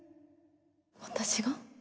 私が？